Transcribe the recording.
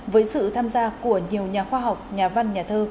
với sự tham gia của nhiều nhà khoa học nhà văn nhà thơ